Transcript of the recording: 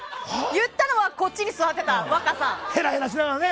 言ってたのはこっちに座ってた若さん。